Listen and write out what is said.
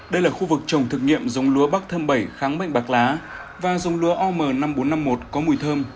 đây là khu vực trồng thực nghiệm giống lúa bắc thơm bảy kháng bệnh bạc lá và dống lúa om năm nghìn bốn trăm năm mươi một có mùi thơm